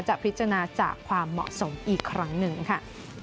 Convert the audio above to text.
จะพิจารณาจากความเหมาะสมอีกครั้งหนึ่งค่ะ